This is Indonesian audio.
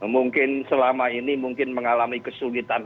mungkin selama ini mungkin mengalami kesulitan